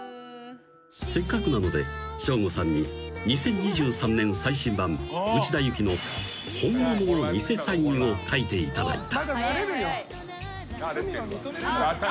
［せっかくなのでＳＨＯＧＯさんに２０２３年最新版内田有紀の本物の偽サインを書いていただいた］